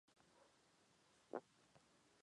该寺正式恢复为宗教活动场所。